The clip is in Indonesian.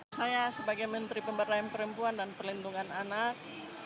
saya sebagai menteri pemberdayaan perempuan dan perlindungan anak